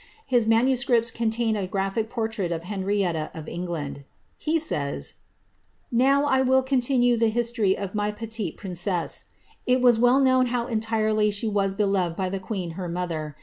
His manuscripts contain a graphic portrait of Henrietta of En^ land. He says :^ Now, I will continue the history of my petite frrih cesse. It was well known how entirely she was beloved by the queea her mother.